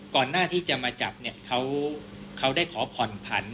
ก่อนหน้าที่จะมาจับเนี่ยเขาได้ขอผ่อนผัน